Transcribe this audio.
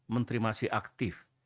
menteri masih aktif